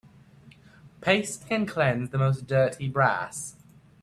Paste can cleanse the most dirty brass.